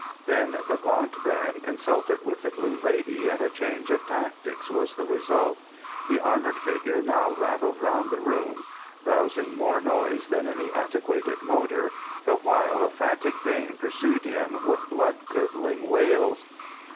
Then the Gaunt Baron consulted with the Blue Lady, and a change of tactics was the result. The armoured figure now rattled round the room, rousing more noise than any antiquated motor, the while a frantic dame pursued him with blood curdling wails.